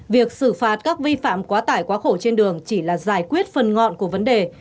việc xử phạt các vi phạm quá tải quá khổ trên đường chỉ là giải quyết phần ngọn của vấn đề